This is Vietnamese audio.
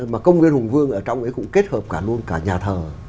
mà công viên hùng vương ở trong ấy cũng kết hợp cả luôn cả nhà thờ